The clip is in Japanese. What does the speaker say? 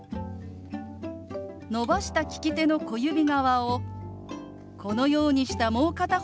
伸ばした利き手の小指側をこのようにしたもう片方の手の真ん中に当てます。